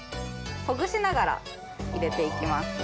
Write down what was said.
ほぐしながら入れて行きます。